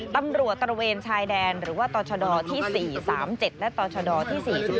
ตำรวจตระเวนชายแดนหรือว่าตรชดที่๔๓๗และตรชดที่๔๒